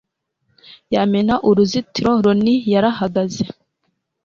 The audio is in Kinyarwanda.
yamena uruzitiro. lonnie yarahagaze